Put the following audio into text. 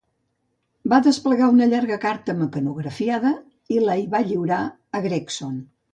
Va desplegar una llarga carta mecanografiada i la hi va lliurar a Gregson.